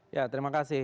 ya terima kasih